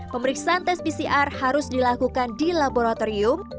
pemeriksaan tes pcr harus dilakukan di laboratorium